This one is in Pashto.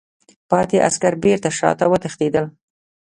پاتې عسکر بېرته شاته وتښتېدل.